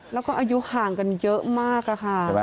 แล้วก็อายุห่างกันเยอะมากค่ะ